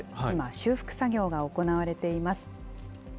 今、修復作業が行われています。